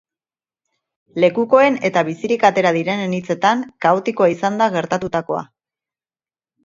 Lekukoen eta bizirik atera direnen hitzetan, kaotikoa izan da gertatutakoa.